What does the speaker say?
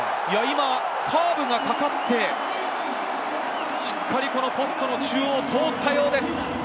カーブがかかって、しっかりポストの中央を通ったようです。